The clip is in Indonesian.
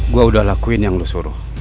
gue udah lakuin yang lu suruh